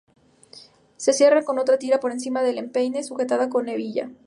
Se cierra con otra tira por encima del empeine, sujetada con hebilla.